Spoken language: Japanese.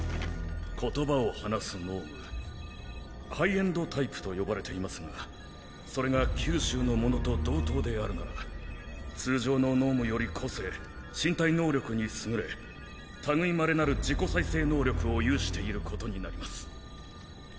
言葉を話す脳無ハイエンドタイプと呼ばれていますがそれが九州のものと同等であるなら通常の脳無より個性身体能力に優れ類まれなる自己再生能力を有していることになります。